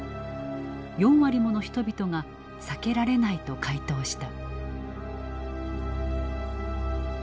４割もの人々が「避けられない」と回答した。